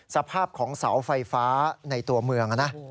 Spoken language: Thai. สภาพของเสาไฟฟ้าในตัวเมืองนะ